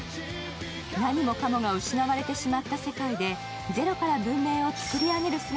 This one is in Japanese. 何もかもが失われてしまった世界でゼロから文明を作り上げる